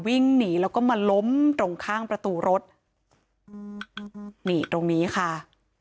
วิ่งหนีแล้วก็มาล้มตรงข้างประตูรถอืมนี่ตรงนี้ค่ะ